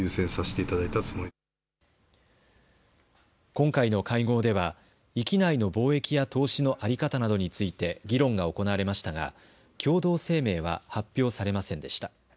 今回の会合では域内の貿易や投資の在り方などについて議論が行われましたが共同声明は発表されませんでした。